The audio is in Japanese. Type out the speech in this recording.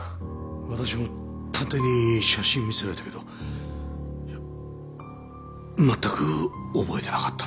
私も探偵に写真見せられたけどまったく覚えてなかったな。